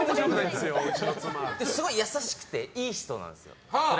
すごい優しくていい人なんですよ。